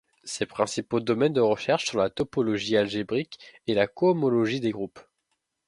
Ses principaux domaines de recherche sont la topologie algébrique et la cohomologie des groupes.